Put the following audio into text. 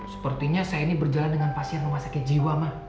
sepertinya saya ini berjalan dengan pasien rumah sakit jiwa mah